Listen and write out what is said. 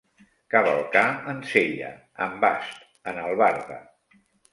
Cavalcar en sella, en bast, en albarda.